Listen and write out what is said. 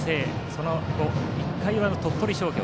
その後、１回裏の鳥取商業。